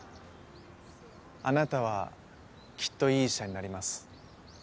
あなたはきっといい医者になります。